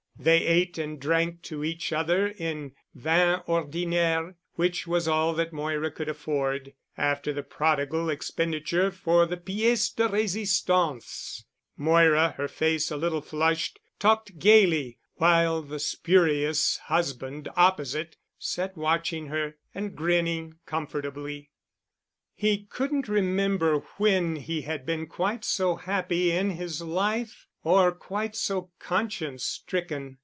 They ate and drank to each other in vin ordinaire which was all that Moira could afford—after the prodigal expenditure for the pièce de résistance. Moira, her face a little flushed, talked gayly, while the spurious husband opposite sat watching her and grinning comfortably. He couldn't remember when he had been quite so happy in his life, or quite so conscience stricken.